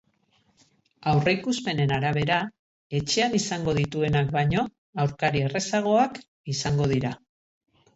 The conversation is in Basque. Aurreikuspenen arabera, etxean izango dituenak baino aurkari errazagoak izango dira.